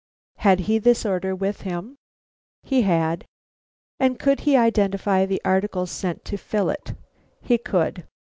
Had he this order with him? He had. And could he identify the articles sent to fill it? He could.